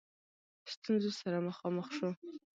ستونزو سره مخامخ شو.